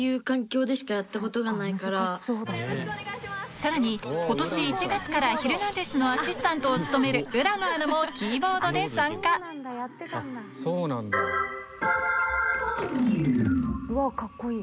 さらに今年１月から『ヒルナンデス！』のアシスタントを務める浦野アナもキーボードで参加うわカッコいい。